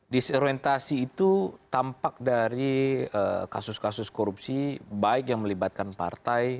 disorientasi itu tampak dari kasus kasus korupsi baik yang melibatkan partai